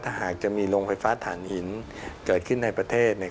ถ้าหากจะมีโรงไฟฟ้าฐานหินเกิดขึ้นในประเทศเนี่ย